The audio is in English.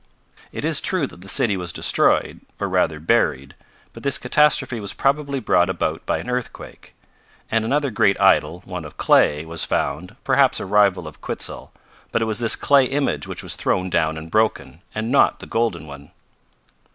It is true that the city was destroyed, or rather, buried, but this catastrophe was probably brought about by an earthquake. And another great idol, one of clay, was found, perhaps a rival of Quitzel, but it was this clay image which was thrown down and broken, and not the golden one.